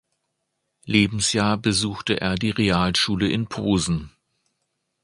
Lebensjahr besuchte er die Realschule in Posen.